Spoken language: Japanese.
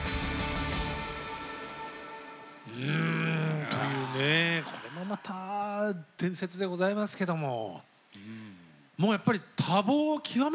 うんというねこれもまた伝説でございますけども。